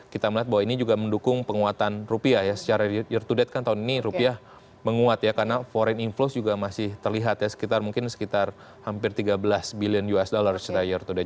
kita melihat bahwa ini juga mendukung penguatan rupiah ya secara year to date kan tahun ini rupiah menguat ya karena foreign inflow juga masih terlihat ya sekitar mungkin sekitar hampir tiga belas billion usd